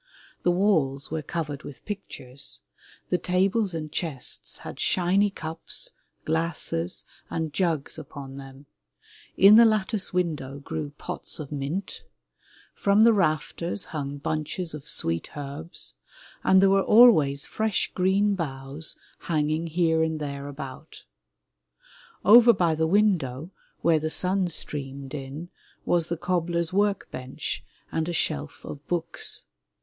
The walls were covered with pictures; the tables and chests had shiny cups, glasses and jugs upon them; in the lattice window grew pots of mint; from the raft ers hung bunches of sweet herbs, and there were always fresh green boughs hanging here and there about. Over by the window, where the sun streamed in, was the cobbler's work bench and a shelf of books.